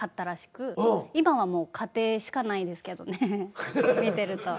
今はもう家庭しかないですけどね見てると。